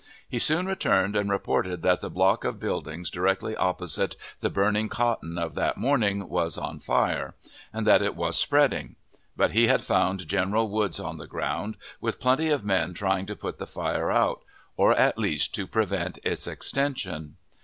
He soon returned, and reported that the block of buildings directly opposite the burning cotton of that morning was on fire, and that it was spreading; but he had found General Woods on the ground, with plenty of men trying to put the fire out, or, at least, to prevent its extension.